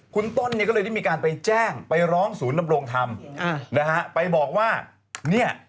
คุณต้นเนี่ยก็เลยได้มีการไปแจ้งไปร้องศูนย์ดำรงธรรมนะฮะไปบอกว่าเนี่ย